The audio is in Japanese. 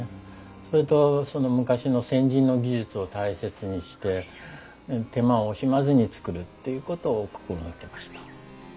それとその昔の先人の技術を大切にして手間を惜しまずに作るっていうことを心掛けました。